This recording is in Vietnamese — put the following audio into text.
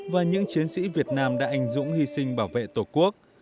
và những chiến sĩ việt nam đã ảnh dũng hy sinh bảo vệ tổ quốc